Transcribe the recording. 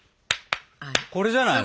これじゃないの？